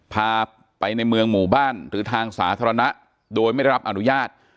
พาไปในเมืองหมู่บ้านหรือทางสาธารณะโดยไม่ได้รับอนุญาต